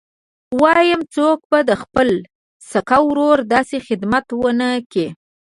وايم څوک به د خپل سکه ورور داسې خدمت ونه کي.